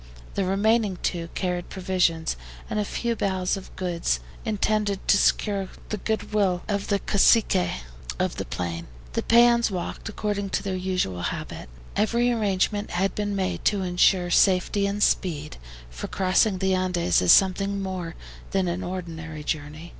The remaining two carried provisions and a few bales of goods, intended to secure the goodwill of the Caciques of the plain. The PEONS walked, according to their usual habit. Every arrangement had been made to insure safety and speed, for crossing the Andes is something more than an ordinary journey.